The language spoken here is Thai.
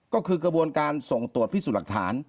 ก็คือกระบวนการส่งตรวจพิสูจน์หลักฐาน